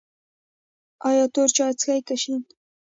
ایا تور چای څښئ که شین؟